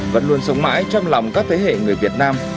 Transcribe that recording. vẫn luôn sống mãi trong lòng các thế hệ người việt nam